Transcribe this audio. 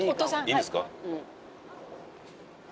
いいんですか？